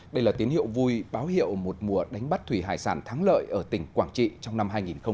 đây là tín hiệu vui báo hiệu một mùa đánh bắt thủy hải sản thắng lợi ở tỉnh quảng trị trong năm hai nghìn hai mươi